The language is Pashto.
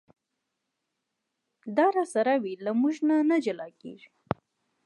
دا راسره وي له مونږه نه جلا کېږي.